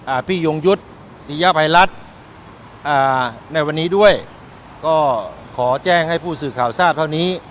พี่ยงยุทธ์ติยภัยรัฐอ่าในวันนี้ด้วยก็ขอแจ้งให้ผู้สื่อข่าวทราบเท่านี้